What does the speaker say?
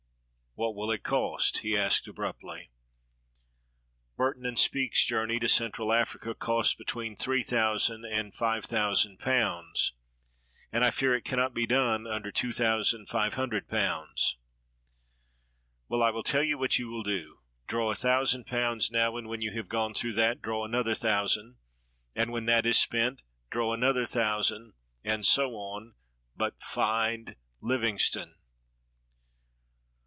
"What will it cost?" he asked abruptly. "Burton and Speke's journey to Central Africa cost between £3000 and £5000, and I fear it cannot be done under £2500." "Well, I will tell you what you will do. Draw a thou sand pounds now ; and when you have gone through that draw another thousand, and when that is spent, draw another thousand, and so on; but find Livingstone."